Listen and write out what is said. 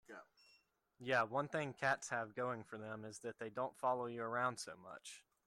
Yeah, one thing cats have going for them is that they don't follow you around so much.